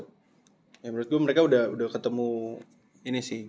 menurut gue mereka udah ketemu ini sih